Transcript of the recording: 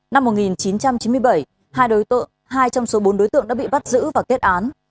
năm một nghìn chín trăm chín mươi bảy hai trong số bốn đối tượng đã bị bắt giữ và kết án